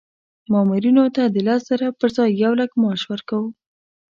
مامورینو ته د لس زره پر ځای یو لک معاش ورکوو.